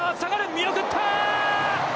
見送った！